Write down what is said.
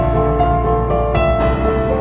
อดอันตรก้าวประโยชน์โห